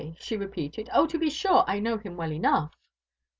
she repeated; "oh, to be sure, I know him well enough."